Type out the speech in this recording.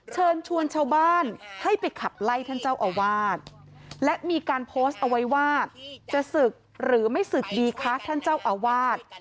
เชิญชวนชาวบ้านให้ไปขับไล่ท่านเจ้าอาวาสและมีการโพสต์เอาไว้ว่าจะศึกหรือไม่ศึกดีคะท่านเจ้าอาวาส